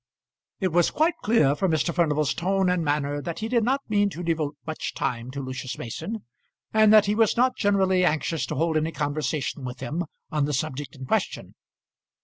It was quite clear from Mr. Furnival's tone and manner that he did not mean to devote much time to Lucius Mason, and that he was not generally anxious to hold any conversation with him on the subject in question.